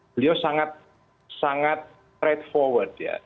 beliau sangat sangat straight forward ya